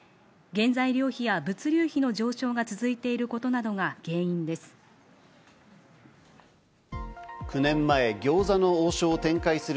原材料費や物流費の上昇が続いていることなどが原因です。